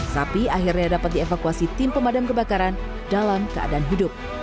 sapi akhirnya dapat dievakuasi tim pemadam kebakaran dalam keadaan hidup